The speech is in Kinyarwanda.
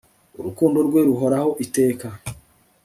urukundo rwe ruhoraho iteka